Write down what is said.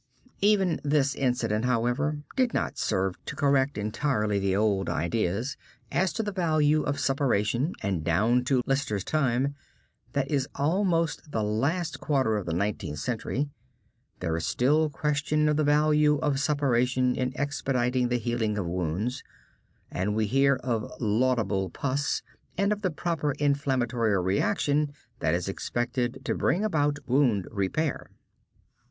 Even this incident, however, did not serve to correct entirely the old idea as to the value of suppuration and down to Lister's time, that is almost the last quarter of the Nineteenth Century, there is still question of the value of suppuration in expediting the healing of wounds, and we hear of laudable pus and of the proper inflammatory reaction that is expected to bring about wound repair.